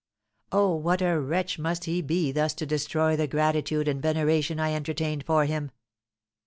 Oh, what a wretch must he be thus to destroy the gratitude and veneration I entertained for him!"